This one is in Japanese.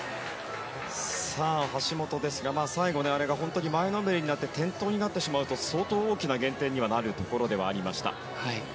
橋本ですが最後あれが本当に前のめりになって転倒になってしまうと相当大きな減点になるところではありました。